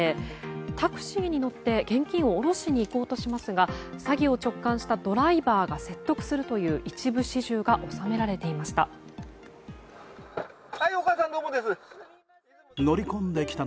タクシーに乗って現金を下ろしに行こうとしますが詐欺を直感したドライバーが説得するという一部始終が収められていました。